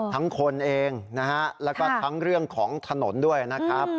คนเองนะฮะแล้วก็ทั้งเรื่องของถนนด้วยนะครับ